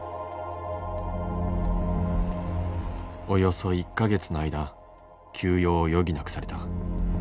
およそ１か月の間休養を余儀なくされた。